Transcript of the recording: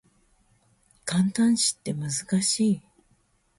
感嘆詞って難しい